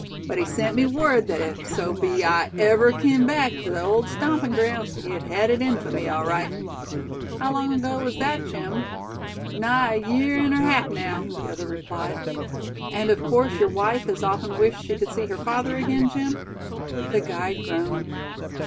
But he sent me word thet ef so be I ever kim back tuh the old stampin' grounds, he hed it in fuh me, all right." "How long ago was that, Jim?" "Nigh a yeah an' er half now," the other replied. "And of course your wife has often wished she could see her father again, Jim?" The guide groaned.